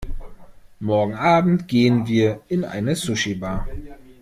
Morgenabend gehen wir in eine Sushibar.